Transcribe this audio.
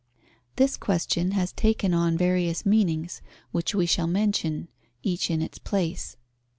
This question has taken on various meanings, which we shall mention, each in its place.